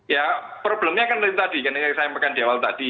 ya problemnya kan tadi karena yang saya sampaikan di awal tadi